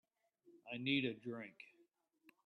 I need a drink.